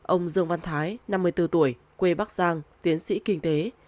ông dương văn thái năm mươi bốn tuổi quê bắc giang tiến sĩ kinh tế